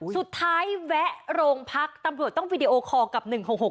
สุดท้ายแวะโรงพักตำรวจต้องวิดีโอคอลกับ๑๖๖๙